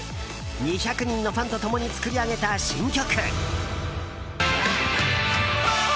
２００人のファンと共に作り上げた新曲。